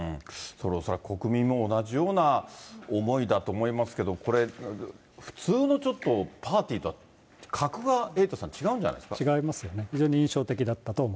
恐らく国民も同じような思いだと思いますけど、これ、普通のちょっとパーティーとは格がエイトさん、違うんじゃないで違いますね。